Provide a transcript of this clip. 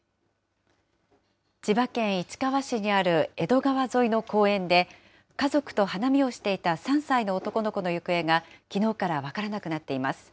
千葉県市川市にある江戸川沿いの公園で家族と花見をしていた３歳の男の子の行方がきのうから分からなくなっています。